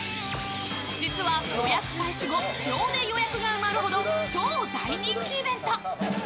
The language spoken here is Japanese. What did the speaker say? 実は、予約開始後秒で予約が埋まるほど超大人気イベント！